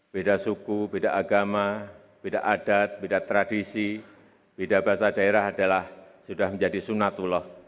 beda suku beda agama beda adat beda tradisi beda bahasa daerah adalah sudah menjadi sunatullah